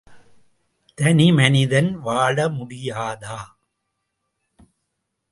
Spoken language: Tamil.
தனிமனிதன் வாழ முடியாதா?